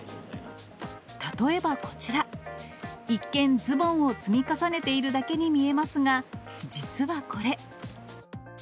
例えばこちら、一見、ズボンを積み重ねているだけに見えますが、実はこれ。